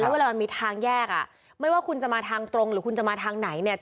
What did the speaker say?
เวลามันมีทางแยกอ่ะไม่ว่าคุณจะมาทางตรงหรือคุณจะมาทางไหนเนี่ย